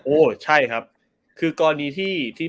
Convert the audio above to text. ใช่ครับคือกรณีที่